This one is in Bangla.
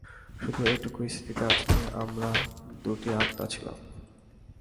শুধু এটুকুই স্মৃতিতে আছে যে, আমরা দু-টি আত্মা ছিলাম।